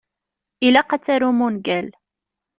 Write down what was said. Ilaq ad tarum ungal.